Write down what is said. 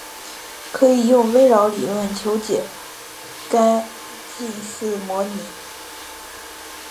可以用微扰理论求解该近似模型。